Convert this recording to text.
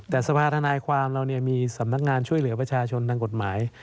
แต่สภาธนายความเรามีสำนักงานช่วยเหลือประชาชนทางกฎหมาย